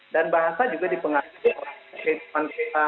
dan bahasa juga dipengaruhi oleh kehidupan kita